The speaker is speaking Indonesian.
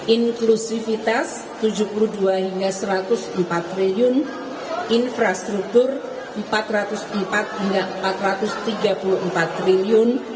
inklusivitas rp tujuh puluh dua hingga rp satu ratus empat triliun infrastruktur rp empat ratus empat hingga empat ratus tiga puluh empat triliun